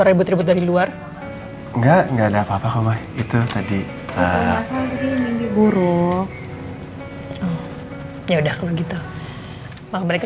mau balik lagi ke kamar ya